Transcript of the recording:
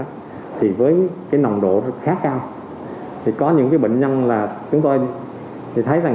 thì với cái nồng độ khá cao thì có những cái bệnh nhân là chúng tôi thì thấy rằng